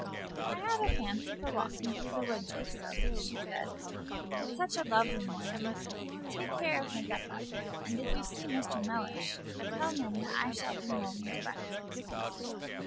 "I have a fancy for walking through the wood, Joseph," she said, "it's such a lovely morning. Take care of Mazeppa; and if you see Mr. Mellish, tell him that I shall be home directly."